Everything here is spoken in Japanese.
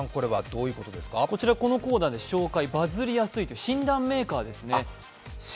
こちらこのコーナーで紹介、バズりやすいと診断メーカーですね。